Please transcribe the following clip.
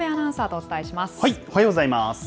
おはようございます。